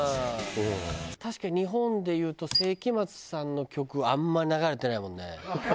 確かに日本でいうと聖飢魔Ⅱさんの曲あんまり流れてないもんね。